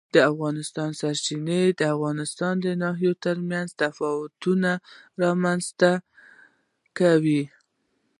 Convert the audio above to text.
د اوبو سرچینې د افغانستان د ناحیو ترمنځ تفاوتونه رامنځ ته کوي.